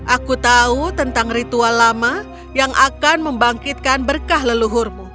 aku tahu tentang ritual lama yang akan membangkitkan berkah leluhurmu